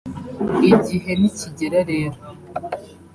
Igihe nikigera rero